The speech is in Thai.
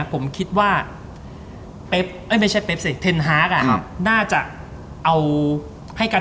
ปรับไปเป็นกองหน้าตัวเป้าแล้วได้